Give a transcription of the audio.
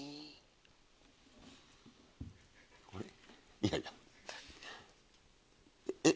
いやいや。えっ？